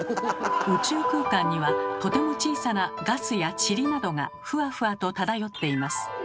宇宙空間にはとても小さなガスやちりなどがふわふわと漂っています。